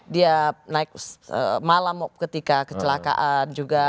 dia naik malam ketika kecelakaan juga